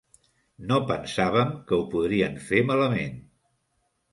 No pensàvem que ho podrien fer malament.